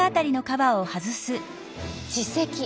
耳石。